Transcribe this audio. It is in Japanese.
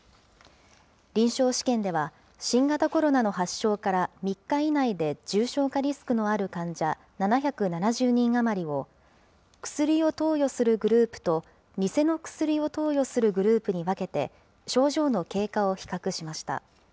臨床試験では、新型コロナの発症から３日以内で重症化リスクのある患者７７０人余りを、薬を投与するグループと、偽の薬を投与するグループに分けて、症状の経過を比較しました。